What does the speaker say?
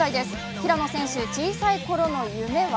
平野選手、小さい頃の夢は？